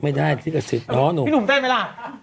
ไม่ได้ซิกเกษตปิ๊นหนุ่มเต้นไม่รหล่ะ